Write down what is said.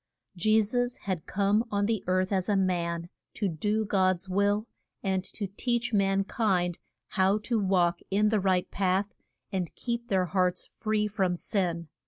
Je sus had come on the earth as a man to do God's will, and to teach man kind how to walk in the right path and keep their hearts free from sin.